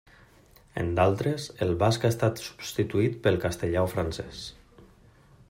En d'altres, el basc ha estat substituït pel castellà o francès.